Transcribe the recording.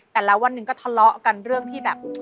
แต่ละวันหนึ่งก็ทะเลาะกันเรื่องที่แบบ